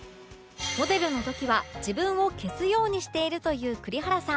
モデルの時は自分を消すようにしているという栗原さん